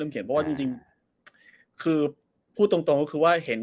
เริ่มเขียนเพราะว่าจริงจริงคือพูดตรงคือว่าเห็น